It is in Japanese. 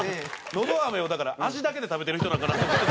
のど飴をだから味だけで食べてる人なんかなと思ってて。